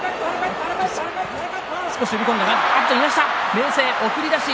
明生、送り出し。